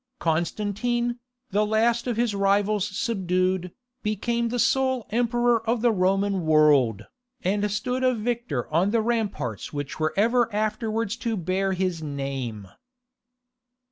Constantine, the last of his rivals subdued, became the sole emperor of the Roman world, and stood a victor on the ramparts which were ever afterwards to bear his name.